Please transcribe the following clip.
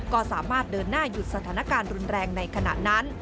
ก็สามารถเดินหน้าหยุดสถานการณ์รุนแรงในขณะนั้น